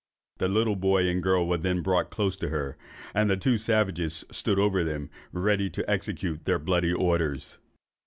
The little boy and girl were then brought close to her, and the two savages stood over them, ready to execute their bloody orders.